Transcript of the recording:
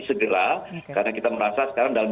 segera karena kita merasa sekarang dalam